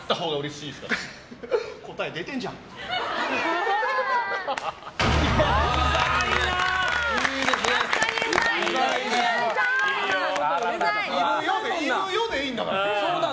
いるよでいいんだから。